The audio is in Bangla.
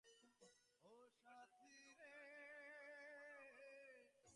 নির্বাচন কমিশনের কাছে অভিযোগ জানিয়েছেন পশ্চিমবঙ্গের বর্ধমান জেলার সিপিএমের সম্পাদক অমল হালদার।